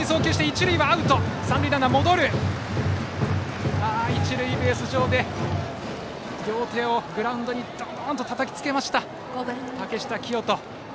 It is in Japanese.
一塁ベース上で両手をグラウンドにドンとたたきつけました竹下聖人。